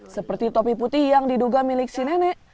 seperti topi putih yang diduga milik si nenek